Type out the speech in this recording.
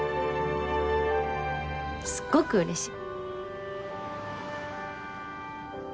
すっごくうれしい。